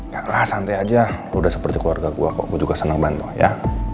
yalah santai aja lo udah seperti keluarga gue kok gue juga seneng bantu ya